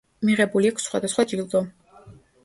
მიღებული აქვს სხვადასხვა ჯილდო.